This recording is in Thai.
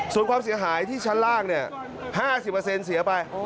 ส่วนความเสียหายที่ชั้นล่าง๕๐เสียไป